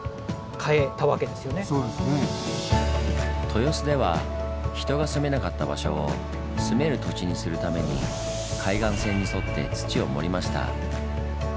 豊洲では人が住めなかった場所を住める土地にするために海岸線に沿って土を盛りました。